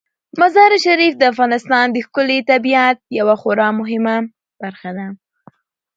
مزارشریف د افغانستان د ښکلي طبیعت یوه خورا مهمه برخه ده.